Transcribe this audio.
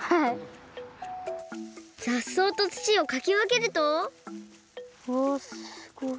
ざっそうとつちをかきわけるとうわすごい。